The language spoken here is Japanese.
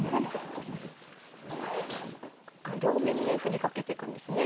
両面に振りかけて行くんですね。